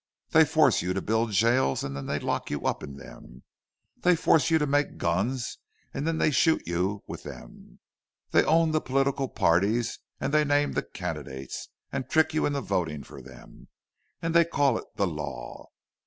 They force you to build jails, and then they lock you up in them! They force you to make guns, and then they shoot you with them! They own the political parties, and they name the candidates, and trick you into voting for them—and they call it the law!